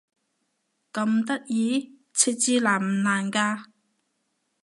咁得意？設置難唔難㗎？